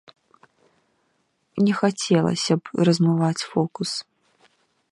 Не хацелася б размываць фокус.